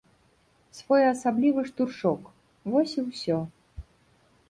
Своеасаблівы штуршок, вось і ўсё.